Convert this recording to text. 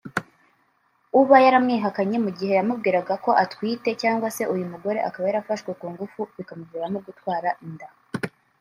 uba yaramwihakanye mu gihe yamubwiraga ko atwite cyangwa se uyu mugore akaba yarafashwe ku ngufu bikamuviramo gutwara inda